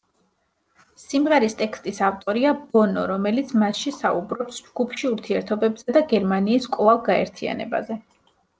სიმღერის ტექსტის ავტორია ბონო, რომელიც მასში საუბრობს ჯგუფში ურთიერთობებზე და გერმანიის კვლავ გაერთიანებაზე.